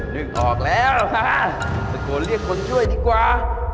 นึกออกแล้วฮะตะโกนเรียกคนช่วยดีกว่า